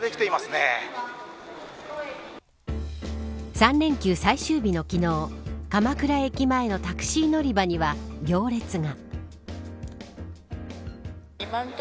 ３連休最終日の昨日鎌倉駅前のタクシー乗り場には行列が。